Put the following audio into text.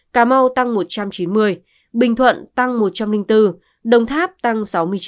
cà mau tăng một trăm chín mươi bình thuận tăng một trăm linh bốn đồng tháp tăng sáu mươi chín